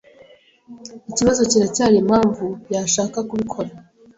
Ikibazo kiracyari impamvu yashaka kubikora.